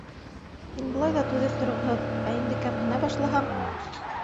Һин былай ҙа түҙеп торғоһоҙ, ә инде кәмһенә башлаһаң!..